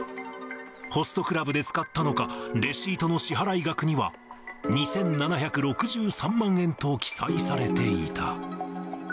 ホストクラブで使ったのか、レシートの支払い額には、２７６３万円と記載されていた。